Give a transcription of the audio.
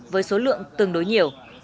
với số lượng tương đối nhiều